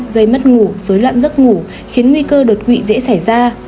gây mất ngủ dối loạn giấc ngủ khiến nguy cơ đột quỵ dễ xảy ra